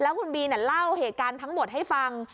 คุณบีเล่าเหตุการณ์ทั้งหมดให้ฟัง